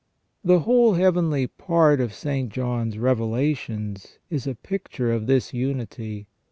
The whole heavenly part of St. John's Revelations is a picture of this unity.